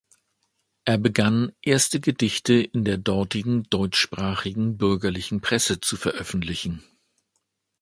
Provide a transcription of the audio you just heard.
Er begann, erste Gedichte in der dortigen deutschsprachigen bürgerlichen Presse zu veröffentlichen.